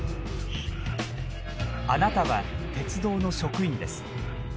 あなたは鉄道の職員です。